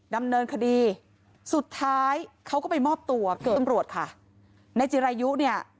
ดำเนินคดีสุดท้ายเขาก็ไปมอบตัวกับตำรวจค่ะนายจิรายุเนี่ย